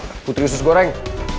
eh putri usus goreng